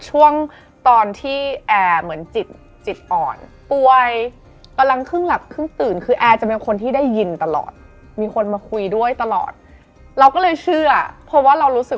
จนเพื่อนข้างพูดอะไรก็ไม่เข้าหู